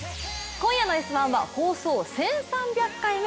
今夜の「Ｓ☆１」は放送１３００回目。